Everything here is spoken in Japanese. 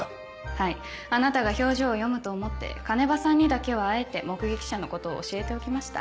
はいあなたが表情を読むと思って鐘場さんにだけはあえて目撃者のことを教えておきました。